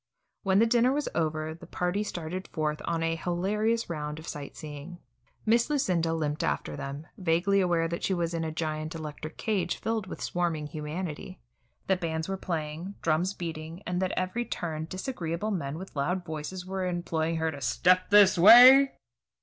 When the dinner was over, the party started forth on a hilarious round of sight seeing. Miss Lucinda limped after them, vaguely aware that she was in a giant electric cage filled with swarming humanity, that bands were playing, drums beating, and that at every turn disagreeable men with loud voices were imploring her to "step this way."